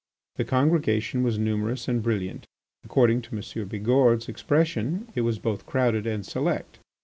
The congregation was numerous and brilliant. According to M. Bigourd's expression it was both crowded and select.